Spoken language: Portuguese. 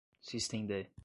systemd